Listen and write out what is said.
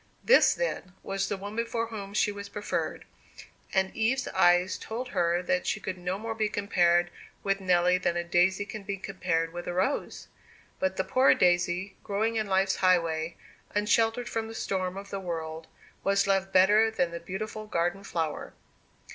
This, then, was the woman before whom she was preferred; and Eve's eyes told her that she could no more be compared with Nelly than a daisy can be compared with a rose! But the poor daisy, growing in life's highway, unsheltered from the storms of the world, was loved better than the beautiful garden flower.